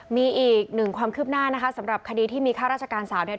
มีอีกหนึ่งความคืบหน้านะคะสำหรับคดีที่มีข้าราชการสาวเนี่ย